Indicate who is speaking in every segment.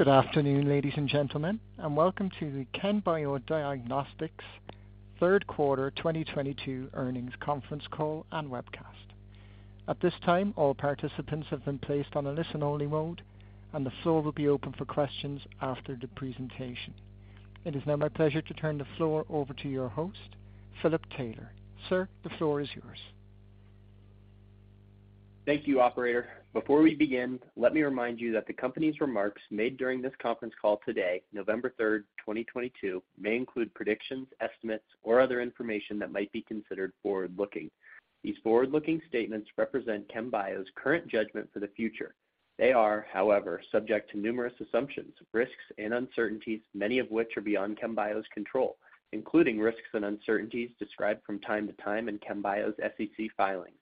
Speaker 1: Good afternoon, ladies and gentlemen, and welcome to the Chembio Diagnostics third quarter 2022 earnings conference call and webcast. At this time, all participants have been placed on a listen-only mode, and the floor will be open for questions after the presentation. It is now my pleasure to turn the floor over to your host, Philip Taylor. Sir, the floor is yours.
Speaker 2: Thank you, operator. Before we begin, let me remind you that the company's remarks made during this conference call today, November 3rd, 2022, may include predictions, estimates, or other information that might be considered forward-looking. These forward-looking statements represent Chembio's current judgment for the future. They are, however, subject to numerous assumptions, risks, and uncertainties, many of which are beyond Chembio's control, including risks and uncertainties described from time to time in Chembio's SEC filings,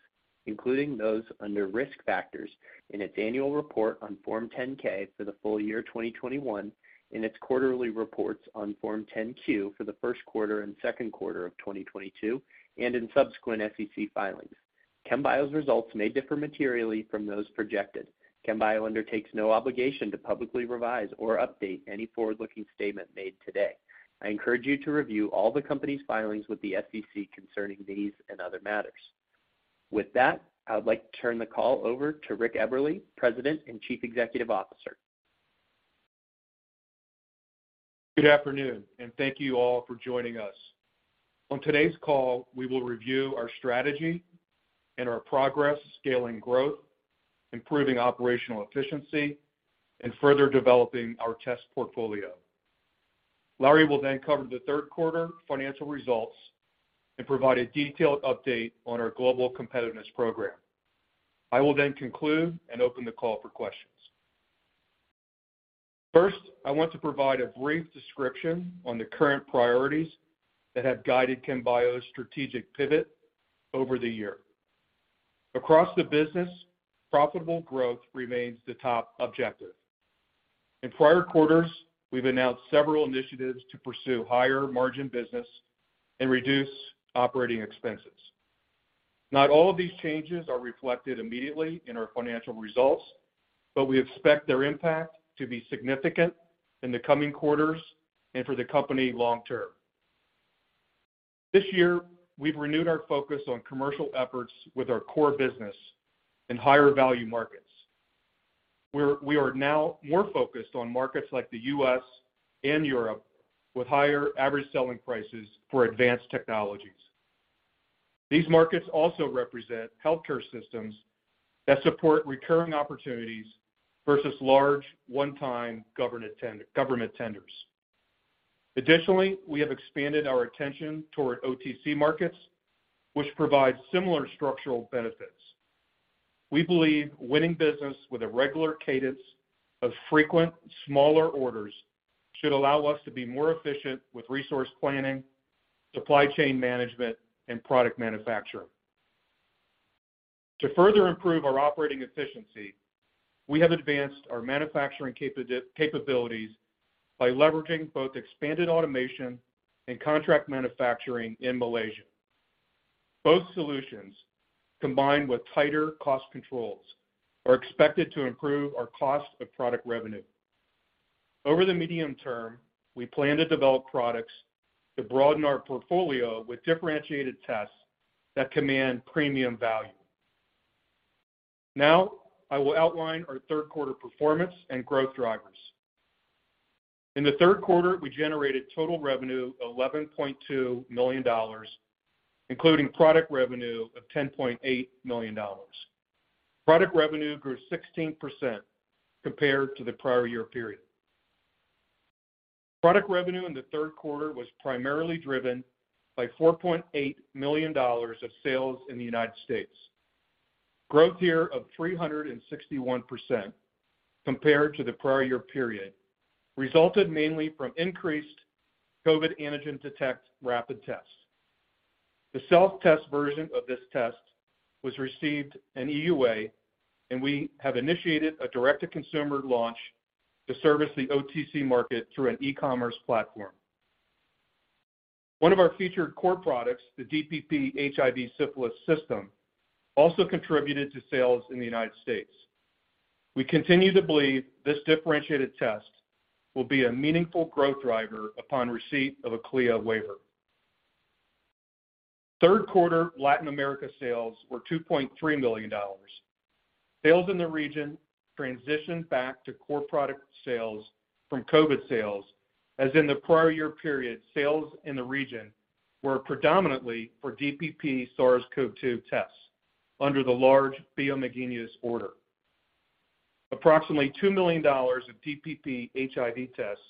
Speaker 2: including those under Risk Factors in its annual report on Form 10-K for the full-year 2021, in its quarterly reports on Form 10-Q for the first quarter and second quarter of 2022, and in subsequent SEC filings. Chembio's results may differ materially from those projected. Chembio undertakes no obligation to publicly revise or update any forward-looking statement made today. I encourage you to review all the company's filings with the SEC concerning these and other matters. With that, I would like to turn the call over to Richard Eberly, President and Chief Executive Officer.
Speaker 3: Good afternoon, and thank you all for joining us. On today's call, we will review our strategy and our progress scaling growth, improving operational efficiency, and further developing our test portfolio. Larry will then cover the third quarter financial results and provide a detailed update on our Global Competitiveness Program. I will then conclude and open the call for questions. First, I want to provide a brief description on the current priorities that have guided Chembio's strategic pivot over the year. Across the business, profitable growth remains the top objective. In prior quarters, we've announced several initiatives to pursue higher margin business and reduce operating expenses. Not all of these changes are reflected immediately in our financial results, but we expect their impact to be significant in the coming quarters and for the company long term. This year, we've renewed our focus on commercial efforts with our core business in higher value markets. We are now more focused on markets like the U.S. and Europe with higher average selling prices for advanced technologies. These markets also represent healthcare systems that support recurring opportunities versus large one-time government tenders. Additionally, we have expanded our attention toward OTC markets, which provide similar structural benefits. We believe winning business with a regular cadence of frequent smaller orders should allow us to be more efficient with resource planning, supply chain management, and product manufacturing. To further improve our operating efficiency, we have advanced our manufacturing capabilities by leveraging both expanded automation and contract manufacturing in Malaysia. Both solutions, combined with tighter cost controls, are expected to improve our cost of product revenue. Over the medium term, we plan to develop products to broaden our portfolio with differentiated tests that command premium value. Now I will outline our third quarter performance and growth drivers. In the third quarter, we generated total revenue of $11.2 million, including product revenue of $10.8 million. Product revenue grew 16% compared to the prior year period. Product revenue in the third quarter was primarily driven by $4.8 million of sales in the United States. Growth here of 361% compared to the prior year period resulted mainly from increased SCoV-2 Ag Detect Rapid Tests. The self-test version of this test received an EUA, and we have initiated a direct-to-consumer launch to service the OTC market through an e-commerce platform. One of our featured core products, the DPP HIV-Syphilis System, also contributed to sales in the United States. We continue to believe this differentiated test will be a meaningful growth driver upon receipt of a CLIA waiver. Third quarter Latin America sales were $2.3 million. Sales in the region transitioned back to core product sales from COVID sales, as in the prior year period, sales in the region were predominantly for DPP SARS-CoV-2 tests under the large Bio-Manguinhos order. Approximately $2 million of DPP HIV tests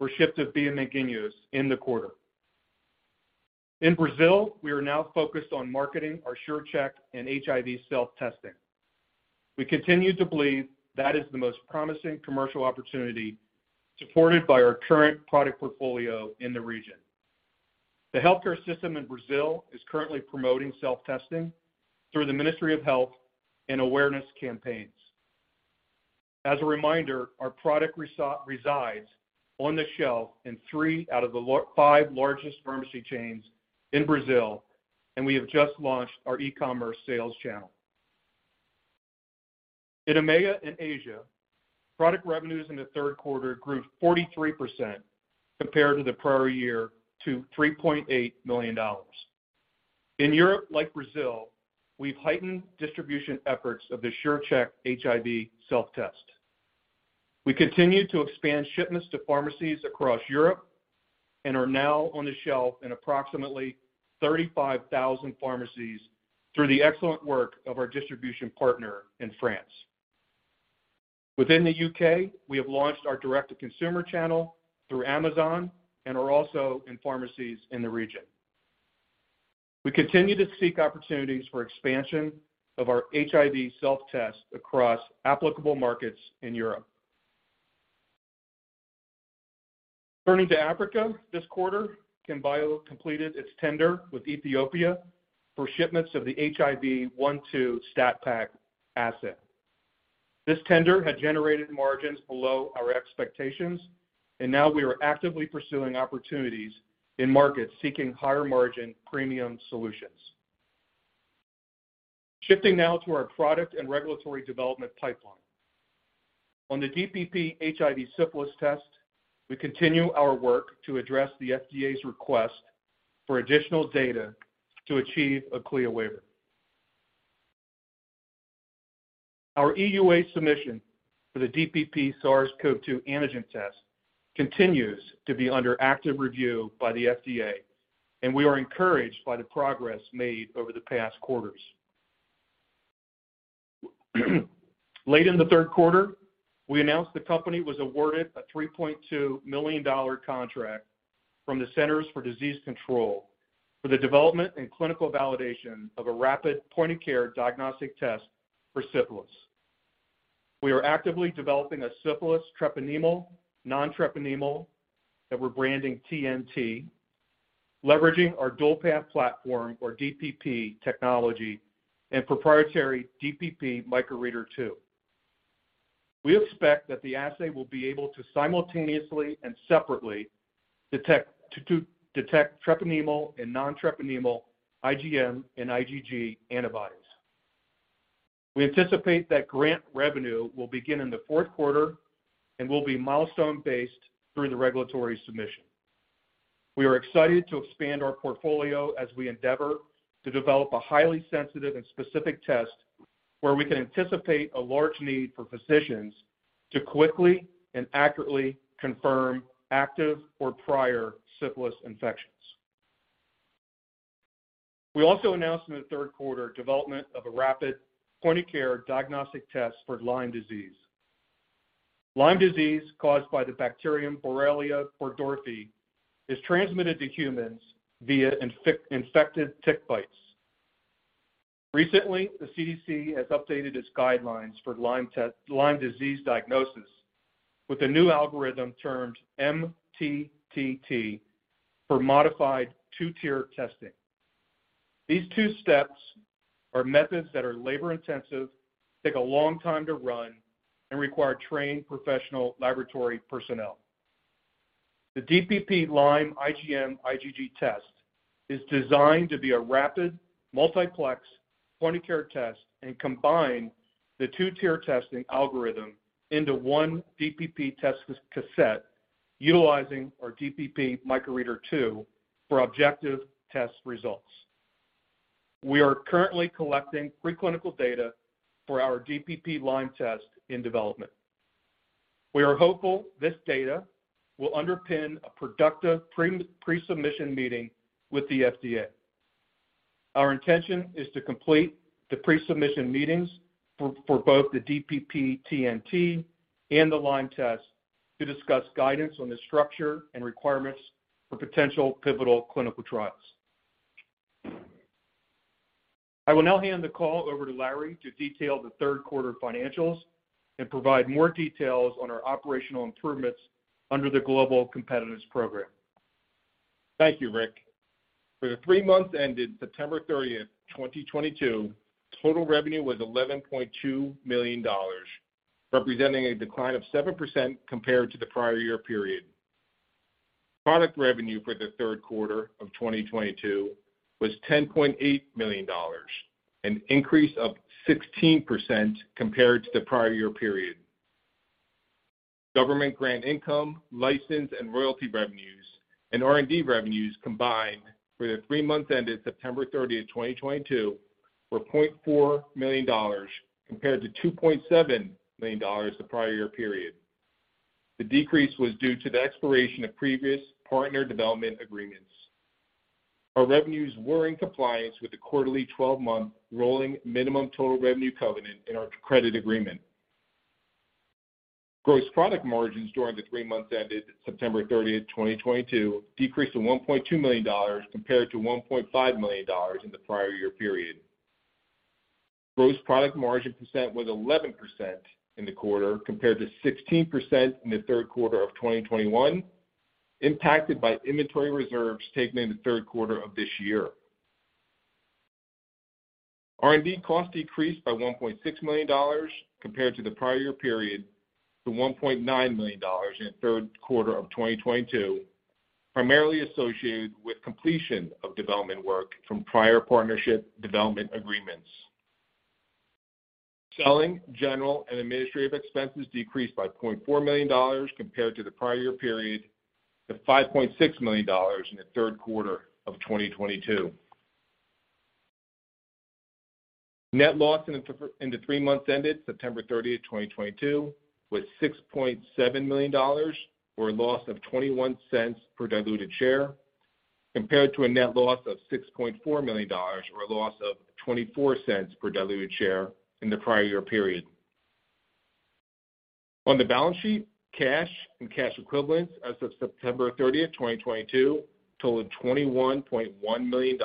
Speaker 3: were shipped to Bio-Manguinhos in the quarter. In Brazil, we are now focused on marketing our SURE CHECK and HIV self-testing. We continue to believe that is the most promising commercial opportunity supported by our current product portfolio in the region. The healthcare system in Brazil is currently promoting self-testing through the Ministry of Health and awareness campaigns. As a reminder, our product resides on the shelf in three out of the five largest pharmacy chains in Brazil, and we have just launched our e-commerce sales channel. In EMEA and Asia, product revenues in the third quarter grew 43% compared to the prior year to $3.8 million. In Europe, like Brazil, we've heightened distribution efforts of the SURE CHECK HIV Self-Test. We continue to expand shipments to pharmacies across Europe and are now on the shelf in approximately 35,000 pharmacies through the excellent work of our distribution partner in France. Within the U.K., we have launched our direct-to-consumer channel through Amazon and are also in pharmacies in the region. We continue to seek opportunities for expansion of our HIV self-test across applicable markets in Europe. Turning to Africa, this quarter, Chembio completed its tender with Ethiopia for shipments of the HIV 1/2 STAT-PAK Assay. This tender had generated margins below our expectations, and now we are actively pursuing opportunities in markets seeking higher-margin premium solutions. Shifting now to our product and regulatory development pipeline. On the DPP HIV-Syphilis System, we continue our work to address the FDA's request for additional data to achieve a CLIA waiver. Our EUA submission for the DPP SARS-CoV-2 Antigen test continues to be under active review by the FDA, and we are encouraged by the progress made over the past quarters. Late in the third quarter, we announced the company was awarded a $3.2 million contract from the Centers for Disease Control for the development and clinical validation of a rapid point-of-care diagnostic test for syphilis. We are actively developing a syphilis treponemal, nontreponemal that we're branding TnT, leveraging our Dual Path Platform or DPP technology and proprietary DPP Micro Reader II. We expect that the assay will be able to simultaneously and separately detect treponemal and nontreponemal IgM and IgG antibodies. We anticipate that grant revenue will begin in the fourth quarter and will be milestone-based through the regulatory submission. We are excited to expand our portfolio as we endeavor to develop a highly sensitive and specific test where we can anticipate a large need for physicians to quickly and accurately confirm active or prior syphilis infections. We also announced in the third quarter development of a rapid point-of-care diagnostic test for Lyme disease. Lyme disease, caused by the bacterium Borrelia burgdorferi, is transmitted to humans via infected tick bites. Recently, the CDC has updated its guidelines for Lyme test, Lyme disease diagnosis with a new algorithm termed MTTT for modified two-tier testing. These two steps are methods that are labor-intensive, take a long time to run, and require trained professional laboratory personnel. The DPP Lyme IgM/IgG test is designed to be a rapid, multiplex point-of-care test and combine the two-tier testing algorithm into one DPP test cassette utilizing our DPP MicroReader Two for objective test results. We are currently collecting preclinical data for our DPP Lyme test in development. We are hopeful this data will underpin a productive pre-submission meeting with the FDA. Our intention is to complete the pre-submission meetings for both the DPP TnT and the Lyme test to discuss guidance on the structure and requirements for potential pivotal clinical trials. I will now hand the call over to Larry to detail the third quarter financials and provide more details on our operational improvements under the Global Competitiveness Program.
Speaker 4: Thank you, Rick. For the three months ended September 30, 2022, total revenue was $11.2 million, representing a decline of 7% compared to the prior year period. Product revenue for the third quarter of 2022 was $10.8 million, an increase of 16% compared to the prior year period. Government grant income, license and royalty revenues, and R&D revenues combined for the three months ended September 30, 2022, were $0.4 million compared to $2.7 million the prior year period. The decrease was due to the expiration of previous partner development agreements. Our revenues were in compliance with the quarterly twelve-month rolling minimum total revenue covenant in our credit agreement. Gross product margins during the three months ended September 30, 2022, decreased to $1.2 million compared to $1.5 million in the prior year period. Gross product margin percent was 11% in the quarter, compared to 16% in the third quarter of 2021, impacted by inventory reserves taken in the third quarter of this year. R&D costs decreased by $1.6 million compared to the prior year period to $1.9 million in the third quarter of 2022. Primarily associated with completion of development work from prior partnership development agreements. Selling, general, and administrative expenses decreased by $0.4 million compared to the prior period to $5.6 million in the third quarter of 2022. Net loss in the three months ended September 30, 2022 was $6.7 million or a loss of $0.21 per diluted share compared to a net loss of $6.4 million or a loss of $0.24 per diluted share in the prior year period. On the balance sheet, cash and cash equivalents as of September 30, 2022 totaled $21.1 million.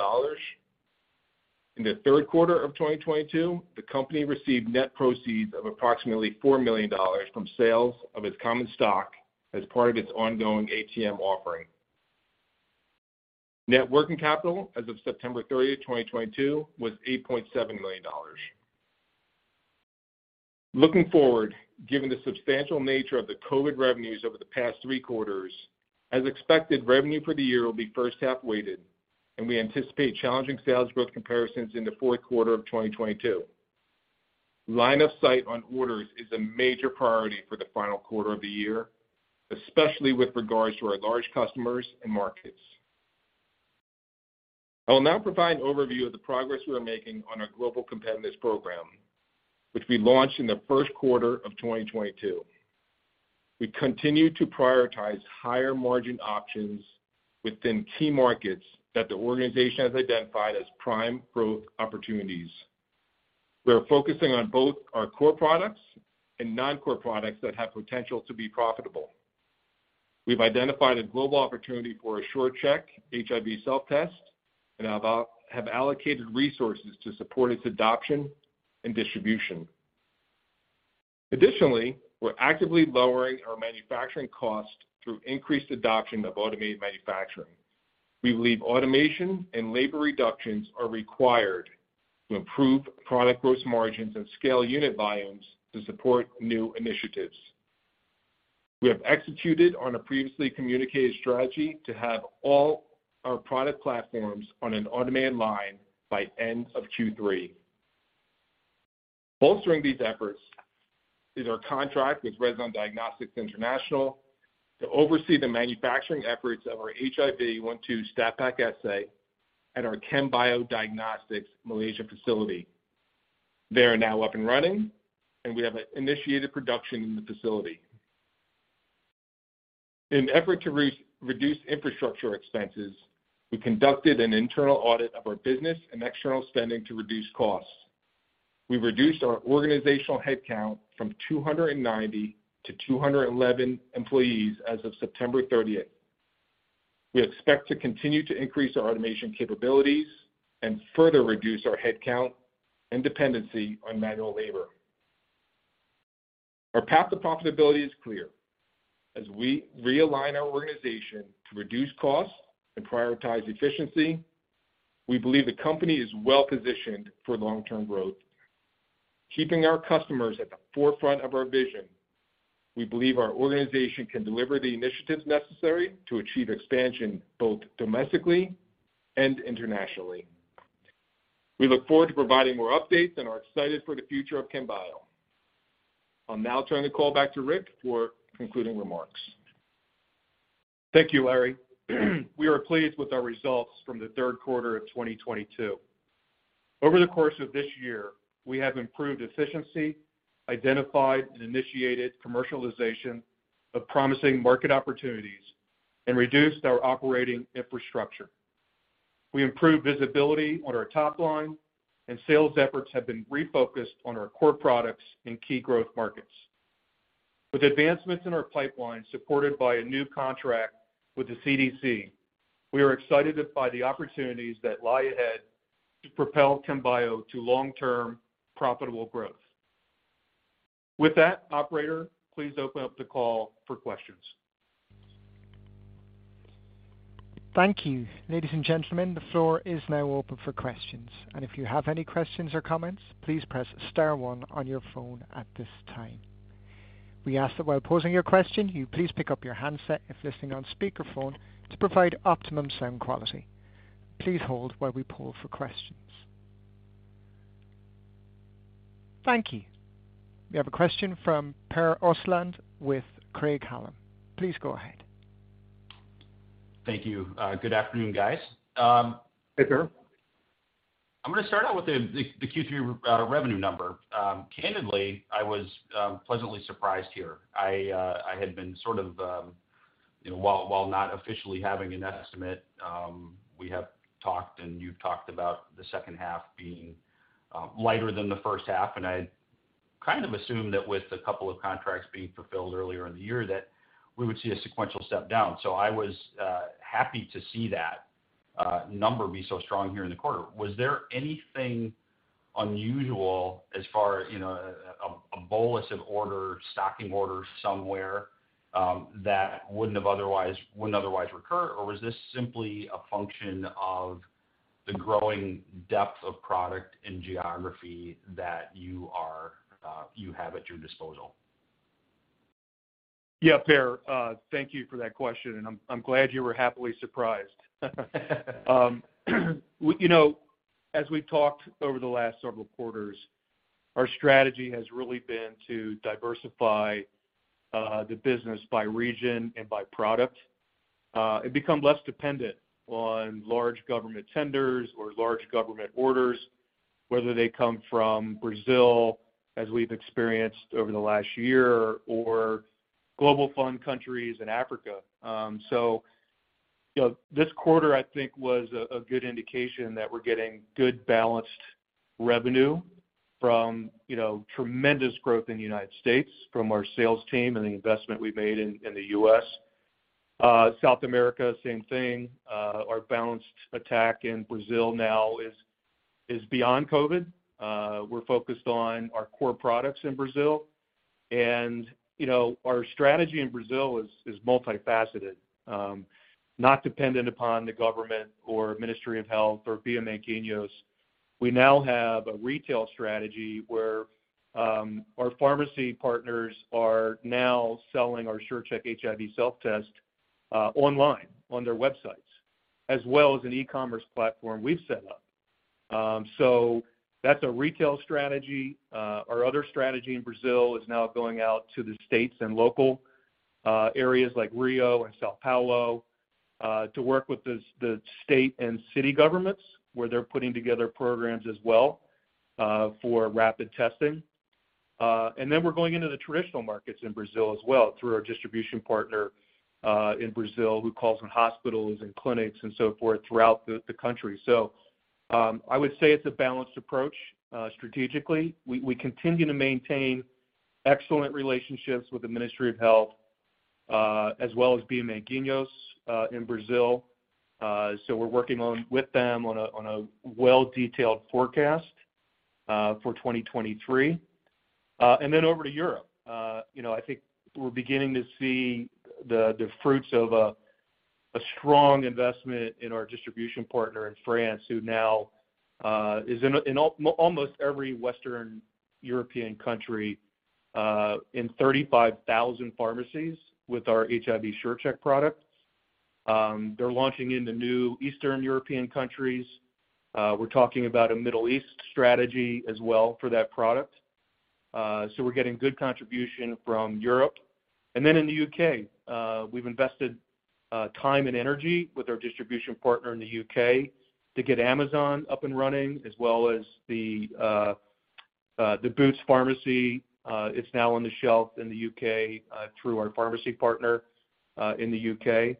Speaker 4: In the third quarter of 2022, the company received net proceeds of approximately $4 million from sales of its common stock as part of its ongoing ATM offering. Net working capital as of September 30, 2022 was $8.7 million. Looking forward, given the substantial nature of the COVID revenues over the past three quarters, as expected, revenue for the year will be first half weighted, and we anticipate challenging sales growth comparisons in the fourth quarter of 2022. Line of sight on orders is a major priority for the final quarter of the year, especially with regards to our large customers and markets. I will now provide an overview of the progress we are making on our Global Competitiveness Program, which we launched in the first quarter of 2022. We continue to prioritize higher margin options within key markets that the organization has identified as prime growth opportunities. We are focusing on both our core products and non-core products that have potential to be profitable. We've identified a global opportunity for a SURE CHECK HIV Self-Test and have allocated resources to support its adoption and distribution. Additionally, we're actively lowering our manufacturing costs through increased adoption of automated manufacturing. We believe automation and labor reductions are required to improve product gross margins and scale unit volumes to support new initiatives. We have executed on a previously communicated strategy to have all our product platforms on an automated line by end of Q3. Bolstering these efforts is our contract with Reszon Diagnostics International to oversee the manufacturing efforts of our HIV 1/2 STAT-PAK Assay at our Chembio Diagnostics Malaysia facility. They are now up and running, and we have initiated production in the facility. In an effort to reduce infrastructure expenses, we conducted an internal audit of our business and external spending to reduce costs. We reduced our organizational headcount from 290 to 211 employees as of September 30th. We expect to continue to increase our automation capabilities and further reduce our headcount and dependency on manual labor. Our path to profitability is clear. As we realign our organization to reduce costs and prioritize efficiency, we believe the company is well-positioned for long-term growth. Keeping our customers at the forefront of our vision, we believe our organization can deliver the initiatives necessary to achieve expansion both domestically and internationally. We look forward to providing more updates and are excited for the future of Chembio. I'll now turn the call back to Rick for concluding remarks.
Speaker 3: Thank you, Larry. We are pleased with our results from the third quarter of 2022. Over the course of this year, we have improved efficiency, identified and initiated commercialization of promising market opportunities, and reduced our operating infrastructure. We improved visibility on our top line and sales efforts have been refocused on our core products in key growth markets. With advancements in our pipeline supported by a new contract with the CDC, we are excited by the opportunities that lie ahead to propel Chembio to long-term profitable growth. With that, operator, please open up the call for questions.
Speaker 1: Thank you. Ladies and gentlemen, the floor is now open for questions. If you have any questions or comments, please press star one on your phone at this time. We ask that while posing your question, you please pick up your handset if listening on speakerphone to provide optimum sound quality. Please hold while we poll for questions. Thank you. We have a question from Per Ostlund with Craig-Hallum. Please go ahead.
Speaker 5: Thank you. Good afternoon, guys.
Speaker 3: Hey, Per.
Speaker 5: I'm gonna start out with the Q3 revenue number. Candidly, I was pleasantly surprised here. I had been sort of, you know, while not officially having an estimate, we have talked and you've talked about the second half being lighter than the first half. I kind of assumed that with a couple of contracts being fulfilled earlier in the year that we would see a sequential step down. I was happy to see that number be so strong here in the quarter. Was there anything unusual as far as, you know, a bolus of orders, stocking orders somewhere, that wouldn't have otherwise recur? Or was this simply a function of the growing depth of product and geography that you have at your disposal.
Speaker 3: Yeah, Per. Thank you for that question, and I'm glad you were happily surprised. You know, as we've talked over the last several quarters, our strategy has really been to diversify the business by region and by product, and become less dependent on large government tenders or large government orders, whether they come from Brazil, as we've experienced over the last year, or global fund countries in Africa. You know, this quarter I think was a good indication that we're getting good, balanced revenue from tremendous growth in the United States from our sales team and the investment we've made in the US. South America, same thing. Our balanced attack in Brazil now is beyond COVID. We're focused on our core products in Brazil. You know, our strategy in Brazil is multifaceted, not dependent upon the government or Ministry of Health or Bio-Manguinhos. We now have a retail strategy where our pharmacy partners are now selling our SURE CHECK HIV Self-Test online on their websites, as well as an e-commerce platform we've set up. That's a retail strategy. Our other strategy in Brazil is now going out to the states and local areas like Rio and São Paulo to work with the state and city governments, where they're putting together programs as well for rapid testing. We're going into the traditional markets in Brazil as well through our distribution partner in Brazil, who calls on hospitals and clinics and so forth throughout the country. I would say it's a balanced approach. Strategically, we continue to maintain excellent relationships with the Ministry of Health, as well as Bio-Manguinhos, in Brazil. We're working on with them on a well-detailed forecast for 2023. Then over to Europe, you know, I think we're beginning to see the fruits of a strong investment in our distribution partner in France, who now is in almost every Western European country, in 35,000 pharmacies with our HIV SURE CHECK product. They're launching into new Eastern European countries. We're talking about a Middle East strategy as well for that product. We're getting good contribution from Europe. In the U.K., we've invested time and energy with our distribution partner in the U.K. to get Amazon up and running, as well as the Boots Pharmacy. It's now on the shelf in the U.K. through our pharmacy partner in the U.K.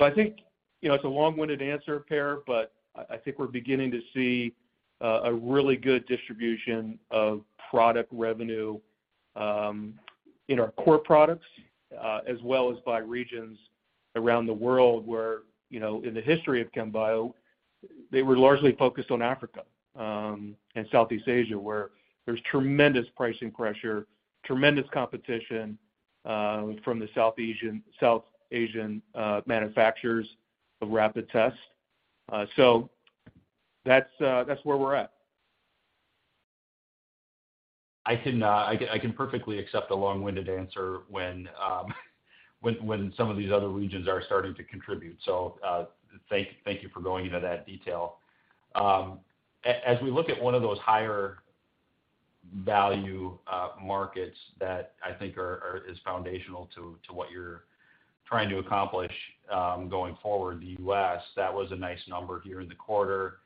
Speaker 3: I think, you know, it's a long-winded answer, Per, but I think we're beginning to see a really good distribution of product revenue in our core products, as well as by regions around the world where, you know, in the history of Chembio, they were largely focused on Africa and Southeast Asia, where there's tremendous pricing pressure, tremendous competition from the South Asian manufacturers of rapid tests. That's where we're at.
Speaker 5: I can perfectly accept a long-winded answer when some of these other regions are starting to contribute. Thank you for going into that detail. As we look at one of those higher value markets that I think is foundational to what you're trying to accomplish, going forward, the US, that was a nice number here in the quarter.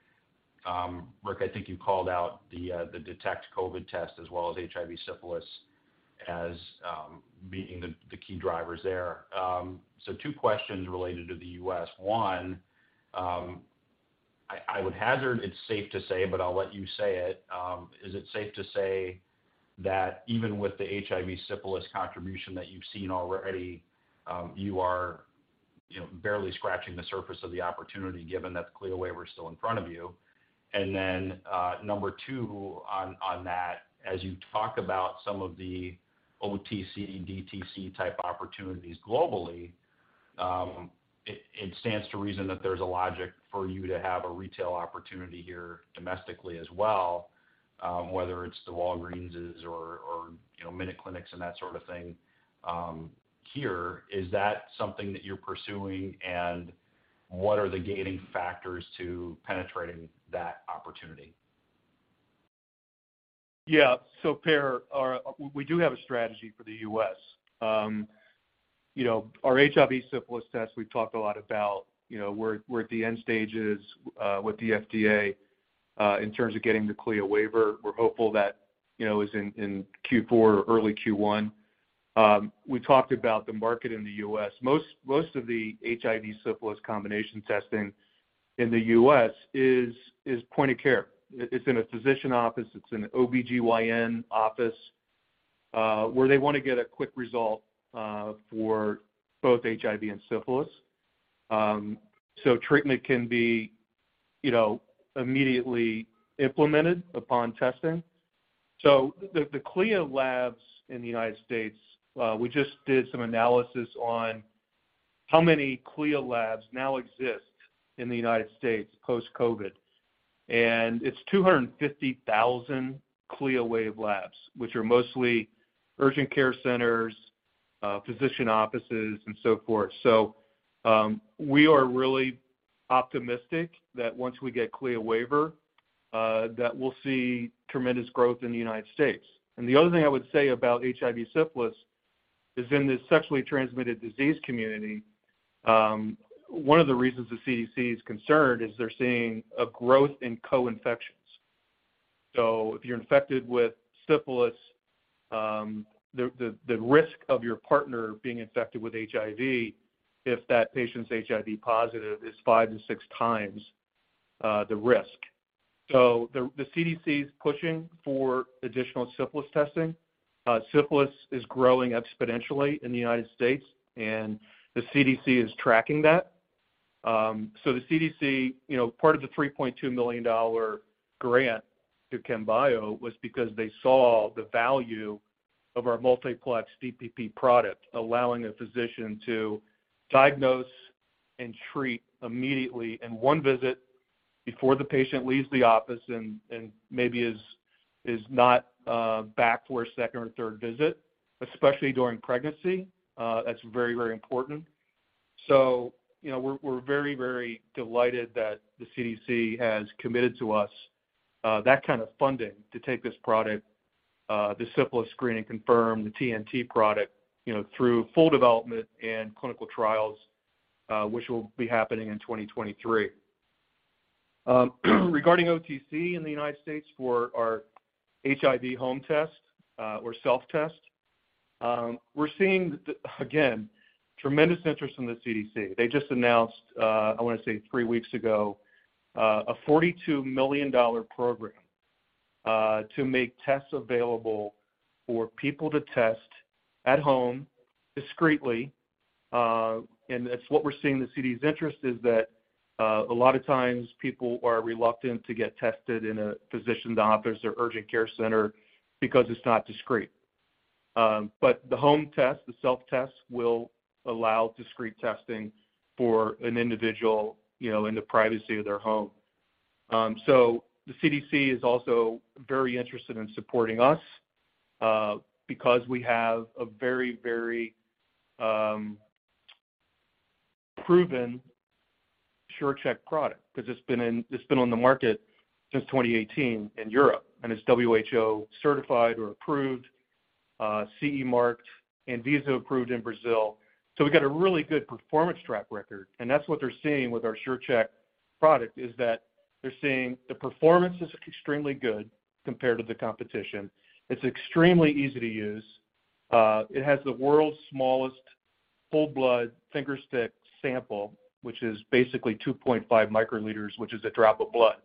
Speaker 5: Rick, I think you called out the Detect COVID test as well as HIV syphilis as being the key drivers there. Two questions related to the US. One, I would hazard it's safe to say, but I'll let you say it, is it safe to say that even with the HIV syphilis contribution that you've seen already, you are, you know, barely scratching the surface of the opportunity given that the CLIA waiver is still in front of you? Then, number two on that, as you talk about some of the OTC, DTC type opportunities globally, it stands to reason that there's a logic for you to have a retail opportunity here domestically as well, whether it's the Walgreens or, you know, MinuteClinic and that sort of thing, here. Is that something that you're pursuing, and what are the gating factors to penetrating that opportunity?
Speaker 3: Yeah. Per, we do have a strategy for the US. You know, our HIV syphilis test, we've talked a lot about, you know, we're at the end stages with the FDA in terms of getting the CLIA waiver. We're hopeful that, you know, is in Q4 or early Q1. We talked about the market in the US. Most of the HIV syphilis combination testing in the US is point-of-care. It's in a physician office, it's in OB-GYN office, where they wanna get a quick result for both HIV and syphilis. Treatment can be, you know, immediately implemented upon testing. The CLIA labs in the United States, we just did some analysis on how many CLIA labs now exist in the United States post-COVID and it's 250,000 CLIA waived labs, which are mostly urgent care centers, physician offices and so forth. We are really optimistic that once we get CLIA waiver, that we'll see tremendous growth in the United States. The other thing I would say about HIV syphilis is in this sexually transmitted disease community, one of the reasons the CDC is concerned is they're seeing a growth in co-infections. If you're infected with syphilis, the risk of your partner being infected with HIV, if that patient's HIV positive, is five time to six times the risk. The CDC is pushing for additional syphilis testing. Syphilis is growing exponentially in the United States, and the CDC is tracking that. The CDC, you know, part of the $3.2 million grant to Chembio was because they saw the value of our multiplex DPP product, allowing a physician to diagnose and treat immediately in one visit before the patient leaves the office and maybe is not back for a second or third visit, especially during pregnancy. That's very, very important. You know, we're very, very delighted that the CDC has committed to us that kind of funding to take this product, the syphilis screen and confirm TnT product, through full development and clinical trials, which will be happening in 2023. Regarding OTC in the United States for our HIV home test, or self-test, we're seeing, again, tremendous interest from the CDC. They just announced, I wanna say three weeks ago, a $42 million program to make tests available for people to test at home discreetly. It's what we're seeing the CDC's interest is that, a lot of times people are reluctant to get tested in a physician's office or urgent care center because it's not discreet. The home test, the self-test, will allow discreet testing for an individual, you know, in the privacy of their home. The CDC is also very interested in supporting us, because we have a very proven SURE CHECK product because it's been on the market since 2018 in Europe, and it's WHO certified or approved, CE marked, Anvisa approved in Brazil. We've got a really good performance track record, and that's what they're seeing with our SURE CHECK product, is that they're seeing the performance is extremely good compared to the competition. It's extremely easy to use. It has the world's smallest full blood finger stick sample, which is basically 2.5 microliters, which is a drop of blood.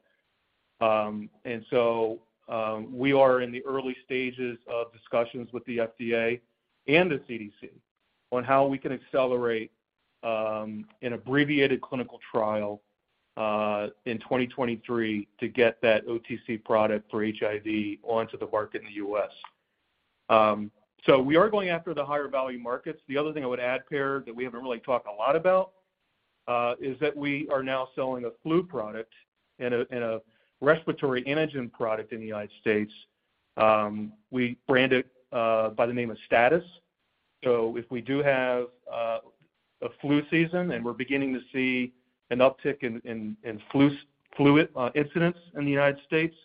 Speaker 3: We are in the early stages of discussions with the FDA and the CDC on how we can accelerate an abbreviated clinical trial in 2023 to get that OTC product for HIV onto the market in the U.S. We are going after the higher value markets. The other thing I would add, Per, that we haven't really talked a lot about is that we are now selling a flu product and a respiratory antigen product in the United States. We brand it by the name of Status. If we do have a flu season, and we're beginning to see an uptick in flu incidents in the United States,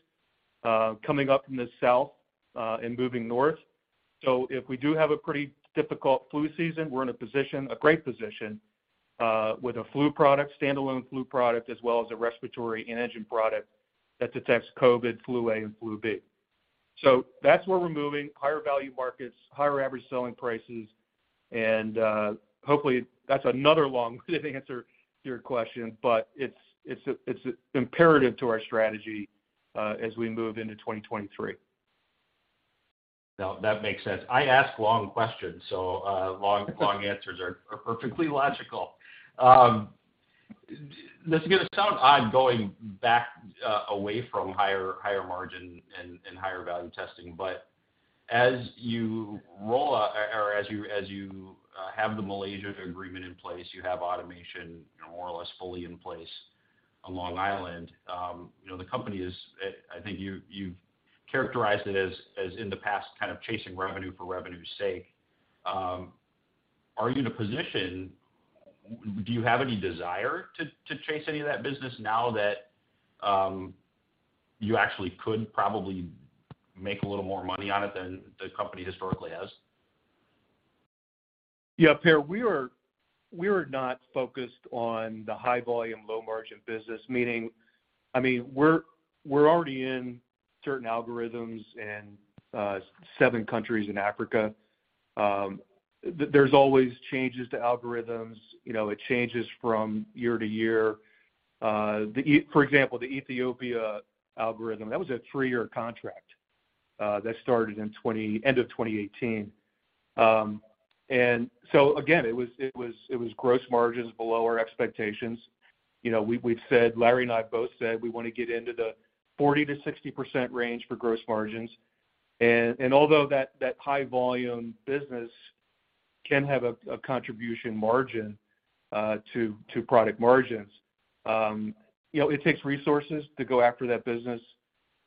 Speaker 3: coming up from the south, and moving north. If we do have a pretty difficult flu season, we're in a position, a great position, with a flu product, standalone flu product, as well as a respiratory antigen product that detects COVID, flu A and flu B. That's where we're moving, higher value markets, higher average selling prices and, hopefully that's another long answer to your question, but it's imperative to our strategy, as we move into 2023.
Speaker 5: No, that makes sense. I ask long questions, so long answers are perfectly logical. This is gonna sound odd going back away from higher margin and higher value testing. As you have the Malaysian agreement in place, you have automation, you know, more or less fully in place on Long Island, you know, the company is, I think you've characterized it as in the past kind of chasing revenue for revenue's sake. Are you in a position? Do you have any desire to chase any of that business now that you actually could probably make a little more money on it than the company historically has?
Speaker 3: Yeah, Per, we are not focused on the high volume, low margin business. Meaning, we're already in certain algorithms in seven countries in Africa. There's always changes to algorithms. You know, it changes from year to year. For example, the Ethiopia algorithm, that was a three-year contract that started at the end of 2018. It was gross margins below our expectations. You know, we've said, Larry and I both said we wanna get into the 40%-60% range for gross margins. Although that high volume business can have a contribution margin to product margins, you know, it takes resources to go after that business.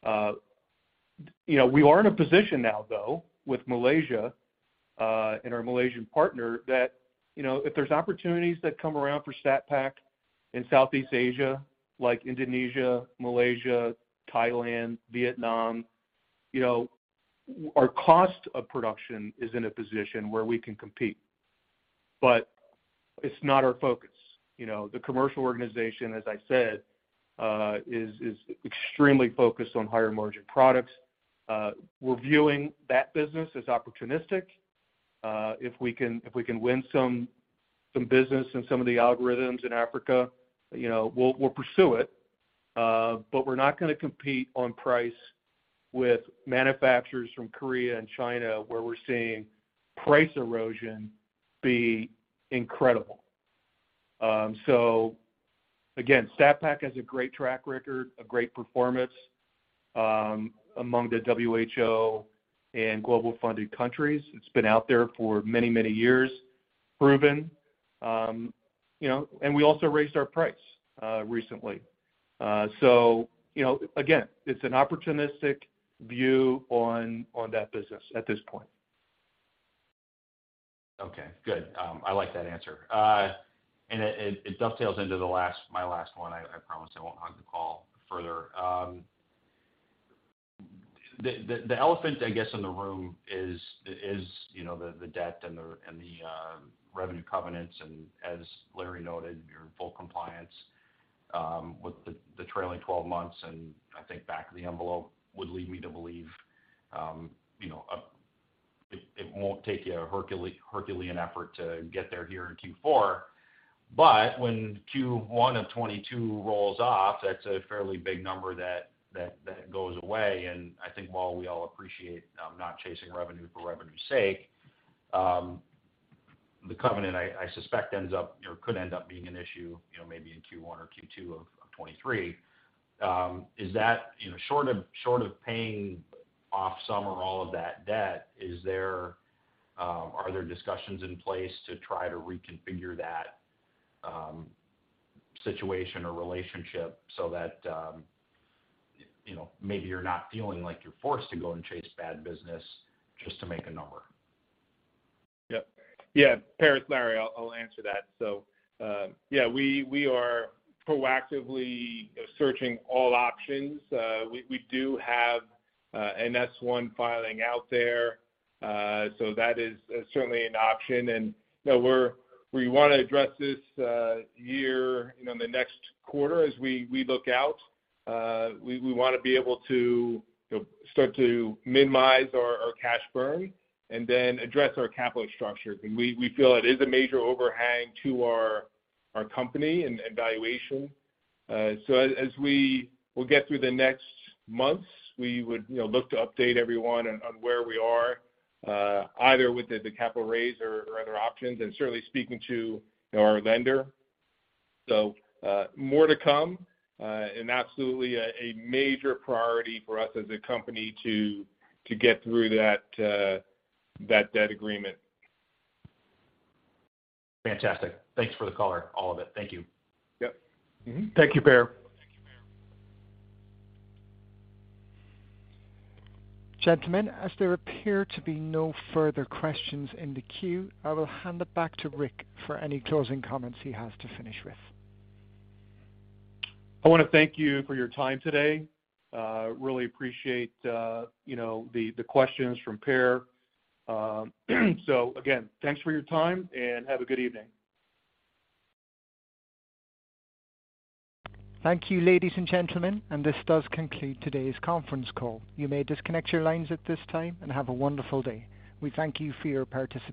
Speaker 3: You know, we are in a position now though, with Malaysia, and our Malaysian partner that, you know, if there's opportunities that come around for STAT-PAK in Southeast Asia, like Indonesia, Malaysia, Thailand, Vietnam, you know, our cost of production is in a position where we can compete, but it's not our focus. You know, the commercial organization, as I said, is extremely focused on higher margin products. We're viewing that business as opportunistic. If we can win some business and some of the algorithms in Africa, you know, we'll pursue it. But we're not gonna compete on price with manufacturers from Korea and China, where we're seeing price erosion be incredible. So again, STAT-PAK has a great track record, a great performance, among the WHO and global funded countries. It's been out there for many, many years, proven. You know, we also raised our price recently. You know, again, it's an opportunistic view on that business at this point.
Speaker 5: Okay, good. I like that answer. And it dovetails into my last one. I promise I won't hog the call further. The elephant, I guess, in the room is, you know, the debt and the revenue covenants, and as Larry noted, you're in full compliance with the trailing twelve months, and I think back of the envelope would lead me to believe, you know, it won't take you a herculean effort to get there here in Q4. When Q1 of 2022 rolls off, that's a fairly big number that goes away. I think while we all appreciate not chasing revenue for revenue's sake, the covenant I suspect ends up or could end up being an issue, you know, maybe in Q1 or Q2 of 2023. Is that, you know, short of paying off some or all of that debt, are there discussions in place to try to reconfigure that situation or relationship so that, you know, maybe you're not feeling like you're forced to go and chase bad business just to make a number?
Speaker 4: Per, it's Larry. I'll answer that. Yeah, we are proactively searching all options. We do have an S-1 filing out there. So that is certainly an option. You know, we wanna address this year, you know, in the next quarter as we look out. We wanna be able to, you know, start to minimize our cash burn and then address our capital structure 'cause we feel it is a major overhang to our company and valuation. So as we'll get through the next months, we would, you know, look to update everyone on where we are, either with the capital raise or other options and certainly speaking to, you know, our lender. So more to come.
Speaker 3: Absolutely, a major priority for us as a company to get through that debt agreement.
Speaker 5: Fantastic. Thanks for the color, all of it. Thank you.
Speaker 4: Yep.
Speaker 1: Thank you, Per. Gentlemen, as there appear to be no further questions in the queue, I will hand it back to Rick for any closing comments he has to finish with.
Speaker 3: I wanna thank you for your time today. Really appreciate, you know, the questions from Per. Again, thanks for your time and have a good evening.
Speaker 1: Thank you, ladies and gentlemen, and this does conclude today's conference call. You may disconnect your lines at this time and have a wonderful day. We thank you for your participation.